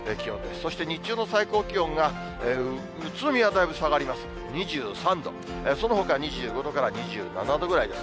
そして日中の最高気温が、宇都宮、だいぶ下がります、２３度、そのほか２５度から２７度ぐらいです。